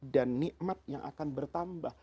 dan nikmat yang akan bertambah